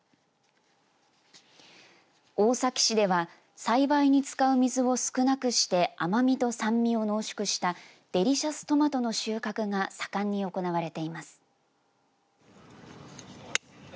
大崎市では栽培に使う水を少なくして甘みと酸味を濃縮したデリシャストマトの収穫が盛んに行われています。